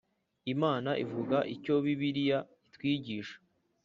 Imana ivuga Icyo Bibiliya itwigisha